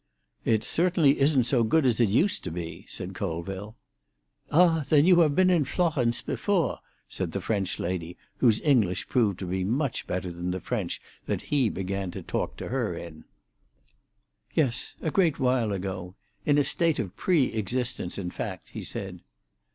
"It certainly isn't so good as it used to be," said Colville. "Ah, then you have been in Florhence before." said the French lady, whose English proved to be much better than the French that he began to talk to her in. "Yes, a great while ago; in a state of pre existence, in fact," he said.